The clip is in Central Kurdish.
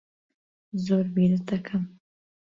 زۆر بیرت دەکەم.